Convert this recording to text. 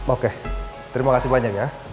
oke terima kasih banyak ya